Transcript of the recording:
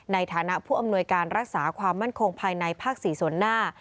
ในฐานะผู้อำนวยการรักษาความมั่นคงภายในภาค๔ส่วนหน้า